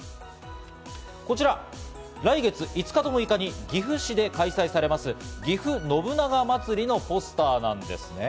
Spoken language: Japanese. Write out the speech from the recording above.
こちら来月５日と６日に岐阜市で開催されます、ぎふ信長まつりのポスターなんですね。